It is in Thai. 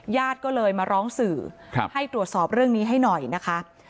ญาติก็เลยมาร้องสื่อให้ตรวจสอบเรื่องนี้ให้หน่อยนะคะ